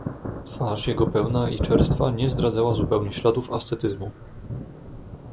"Twarz jego pełna i czerstwa nie zdradzała zupełnie śladów ascetyzmu."